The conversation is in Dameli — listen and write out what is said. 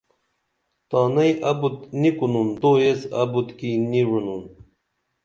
تانئی ابُت نی کُنُن تو ایس ابُت کی نی وعِنُن